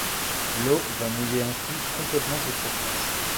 L’eau va mouiller ainsi complètement cette surface.